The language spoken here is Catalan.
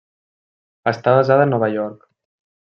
Està basada a Nova York.